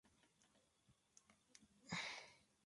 Tienen hasta unas treinta crías por puesta.